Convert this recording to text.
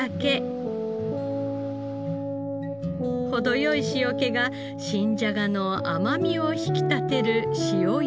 程良い塩気が新じゃがの甘みを引き立てる塩ゆで。